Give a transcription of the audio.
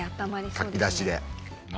炊き出しで。